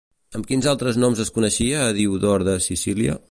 Amb quins altres noms es coneixia a Diodor de Sicília?